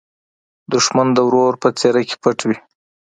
دښمن د ورور په څېره کې پټ وي